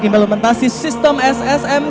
dan gerak implementasi sistem ssm